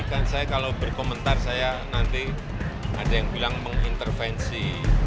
kan saya kalau berkomentar saya nanti ada yang bilang mengintervensi